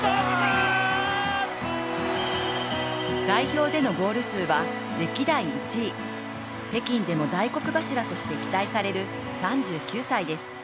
代表でのゴール数は歴代１位北京でも大黒柱として期待される３９歳です。